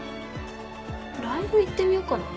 ライブ行ってみよっかな。